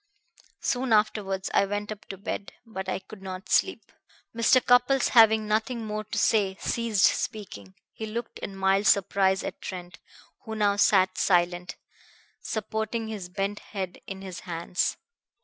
Soon afterwards I went up to bed. But I could not sleep." Mr. Cupples, having nothing more to say, ceased speaking. He looked in mild surprise at Trent, who now sat silent, supporting his bent head in his hands.